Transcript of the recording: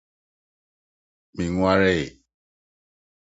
Menwareeɛ.